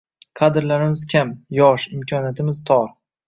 Kadrlarimiz kam, yosh, imkoniyatimiz tor.